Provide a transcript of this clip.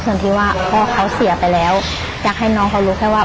ส่วนที่ว่าพ่อเขาเสียไปแล้วอยากให้เขามีแค่รู้ว่า